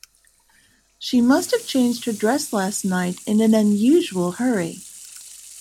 She must have changed her dress last night in an unusual hurry.